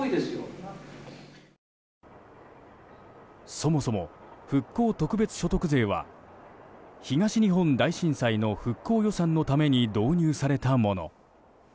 そもそも復興特別所得税は東日本大震災の復興予算のために導入されたもの。